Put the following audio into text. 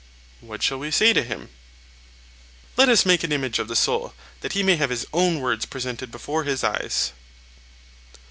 What shall we say to him? Let us make an image of the soul, that he may have his own words presented before his eyes.